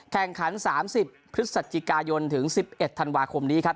แข่งขันสามสิบพฤษฐกิจกายนถึงสิบเอ็ดธันวาคมนี้ครับ